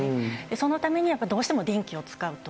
そのためにはやっぱりどうしても電気を使うと。